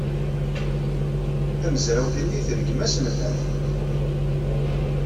Tamezrawt-nni tergem aselmad.